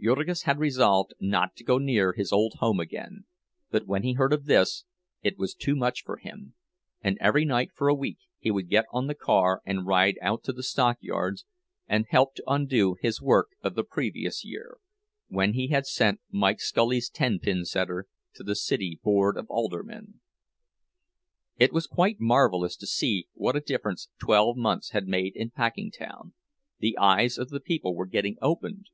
Jurgis had resolved not to go near his old home again, but when he heard of this it was too much for him, and every night for a week he would get on the car and ride out to the stockyards, and help to undo his work of the previous year, when he had sent Mike Scully's ten pin setter to the city Board of Aldermen. It was quite marvelous to see what a difference twelve months had made in Packingtown—the eyes of the people were getting opened!